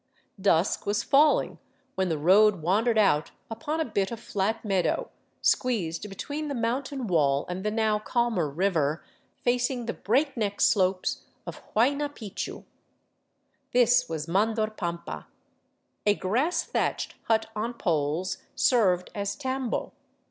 Dusk was falling when the road wandered out upon a bit of flat meadow, squeezed between the mountain wall and the now calmer river, facing the breakneck slopes of Huayna Picchu. This was Mandor pampa. A grass thatched hut on poles served as tambo.